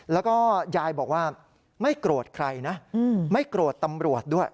แล้วก็ยายบอกว่าไม่โกรธใครนะไม่โกรธตำรวจด้วย